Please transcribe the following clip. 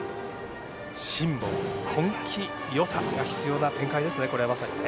辛抱、根気よさが必要な展開ですね。